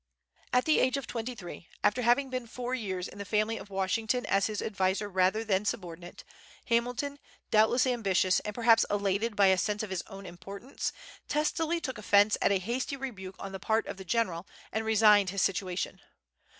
At the age of twenty three, after having been four years in the family of Washington as his adviser rather than subordinate, Hamilton, doubtless ambitious, and perhaps elated by a sense of his own importance, testily took offence at a hasty rebuke on the part of the General and resigned his situation.